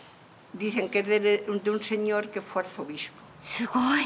すごい！